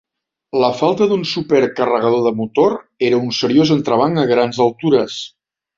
La falta d'un supercarregador de motor era un seriós entrebanc a grans altures.